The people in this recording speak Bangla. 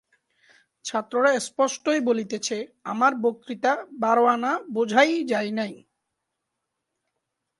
ছাত্ররা স্পষ্টই বলিতেছে, আমার বক্তৃতা বারো-আনা বোঝাই যায় নাই।